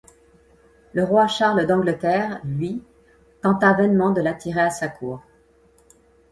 Le roi Charles d'Angleterre, lui, tenta vainement de l'attirer à sa cour.